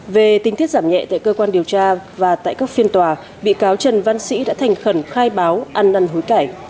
về tinh thiết giảm nhẹ tại cơ quan điều tra và tại các phiên tòa bị cáo trần văn sĩ đã thành khẩn khai báo ăn năn hối cải